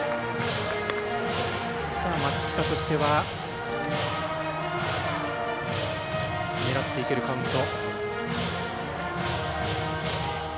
町北としては狙っていけるカウント。